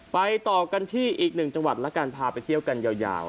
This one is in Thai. ต่อกันที่อีกหนึ่งจังหวัดแล้วกันพาไปเที่ยวกันยาว